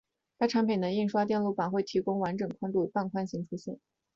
该产品的印刷电路板会提供完整宽度与半宽型出现。